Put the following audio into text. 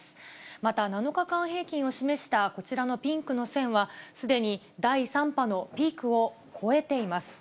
また７日間平均を示したこちらのピンクの線は、すでに第３波のピークを超えています。